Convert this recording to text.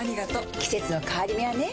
季節の変わり目はねうん。